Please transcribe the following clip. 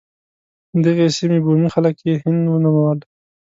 دغې سیمې بومي خلک یې هند ونومول.